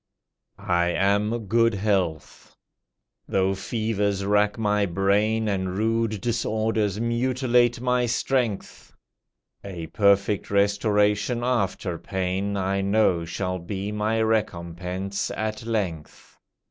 I am good health. Though fevers rack my brain And rude disorders mutilate my strength, A perfect restoration after pain, I know shall be my recompense at length.